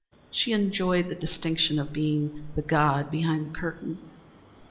She enjoyed the distinction of being the God behind the curtain.